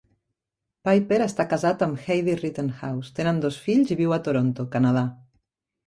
Pyper està casat amb Heidi Rittenhouse, tenen dos fills i viu a Toronto, Canadà.